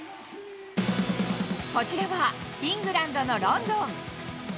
こちらはイングランドのロンドン。